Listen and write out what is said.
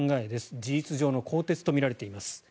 事実上の更迭とみられています。